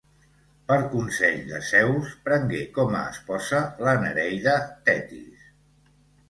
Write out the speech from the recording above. Per consell de Zeus, prengué com a esposa la nereida Tetis.